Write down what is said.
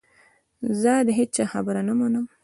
زه د هیچا خبره نه منم .